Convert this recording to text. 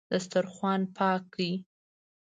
دسترخوان پاک کړئ